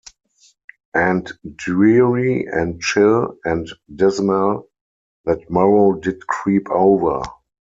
And dreary, and chill, and dismal, that morrow did creep over!